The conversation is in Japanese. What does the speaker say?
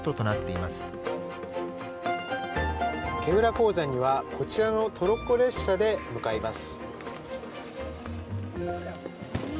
鉱山にはこちらのトロッコ列車で向かいます。